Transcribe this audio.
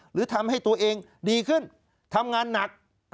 หรือทำให้ตัวเองดีขึ้นทำงานหนัก